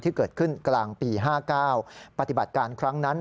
ที่เกิดขึ้นกลางปี๕๙ปฏิบัติการครั้งนั้น